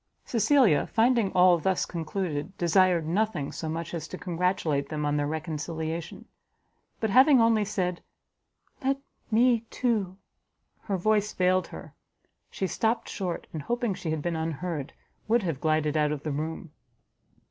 Cecilia, finding all thus concluded, desired nothing so much as to congratulate them on their reconciliation; but having only said "Let me, too, " her voice failed her, she stopt short, and hoping she had been unheard, would have glided out of the room.